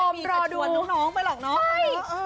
พอชอบรอดู